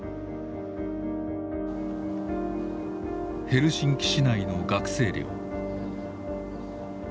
ヘルシンキ市内の学生寮。